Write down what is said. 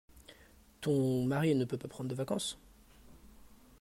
Ton mari ne peut pas prendre de vacances?